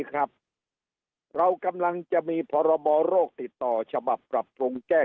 ครับเรากำลังจะมีพรบโรคติดต่อฉบับปรับปรุงแก้